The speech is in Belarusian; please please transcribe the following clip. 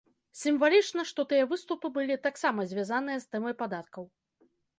Сімвалічна, што тыя выступы былі таксама звязаныя з тэмай падаткаў.